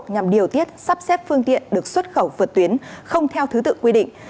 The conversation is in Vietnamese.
nhằm điều tiết sắp xếp phương tiện được xuất khẩu vượt tuyến không theo thứ tự quy định